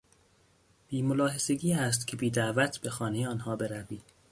بیملاحظگی است که بیدعوت به خانهی آنها بروی.